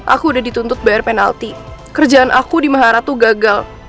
aku udah dituntut bayar penalti kerjaan aku di mahara tuh gagal